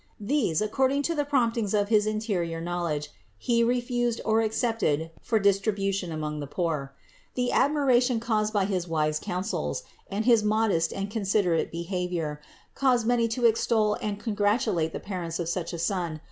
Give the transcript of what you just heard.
These, according to the promptings of his interior knowledge, He refused or accepted for distribution among the poor. The admiration caused by his wise counsels and his modest and considerate be havior, caused many to extol and congratulate the parents on such a Son.